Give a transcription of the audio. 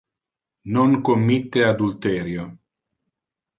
Non committe adulterio.